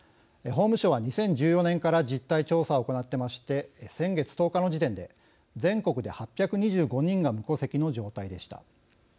法務省は２０１４年から実態調査を行ってまして先月１０日の時点で全国で８２５人が無戸籍の状態でした。